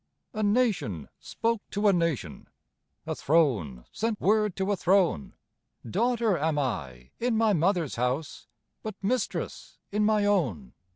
A Nation spoke to a Nation, A Throne sent word to a Throne: 'Daughter am I in my mother's house, But mistress in my own!